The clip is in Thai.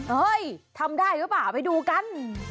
เฮ้ยทำได้หรือเปล่าไปดูกัน